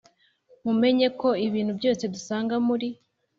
mumenye ko ibintu byose dusanga muri